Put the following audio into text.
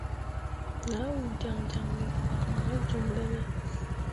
Nah uu jaŋjaŋ ɓe kpak moah joŋ ɗene.